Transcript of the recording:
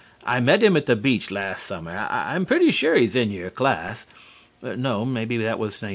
I met him at the beach last summer. I am pretty sure that he is in your class well, no, maybe it was 1918."